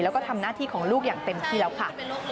แล้วก็ทำหน้าที่ของลูกอย่างเต็มที่แล้วค่ะ